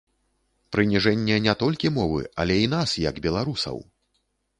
Прыніжэнне не толькі мовы, але і нас, як беларусаў!